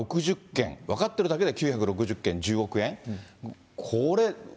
でもこれ、９６０件、分かってるだけで９６０件、１０億円。